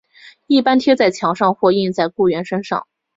一般贴在墙上或印在雇员身份上。